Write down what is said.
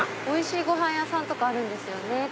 おいしいごはん屋さんとかあるんですよね